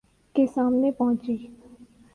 کے سامنے پہنچی